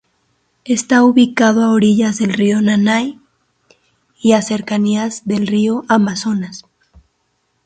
Está ubicado a orillas del río Nanay, y a cercanías del río Amazonas.